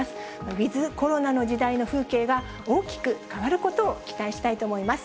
ウィズコロナの時代の風景が大きく変わることを期待したいと思います。